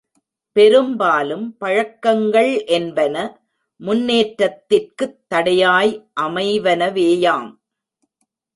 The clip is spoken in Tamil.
பெரும்பாலும் பழக்கங்கள் என்பன முன்னேற்றத்திற்குத் தடையாய் அமைவனவேயாம்.